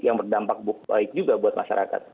yang berdampak baik juga buat masyarakat